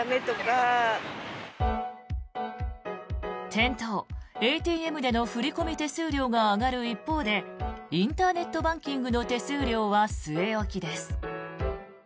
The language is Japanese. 店頭、ＡＴＭでの振込手数料が上がる一方でインターネットバンキングの手数料は据え置きです。